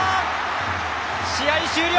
試合終了。